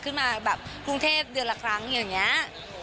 โครงเทพเดือนละครั้งอย่างเนี้ย